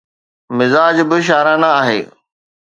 مزاج به شاعرانه آهي.